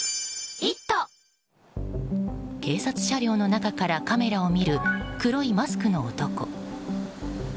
警察車両の中からカメラを見る黒いマスクの男。